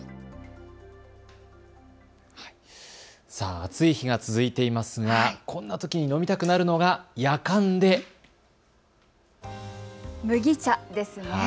暑い日が続いていますが、こんなときに飲みたくなるのはやかんで、麦茶ですね。